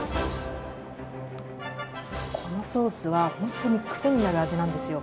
このソースは本当に癖になる味なんですよ。